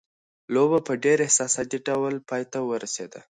لوبه په ډېر احساساتي ډول پای ته ورسېده.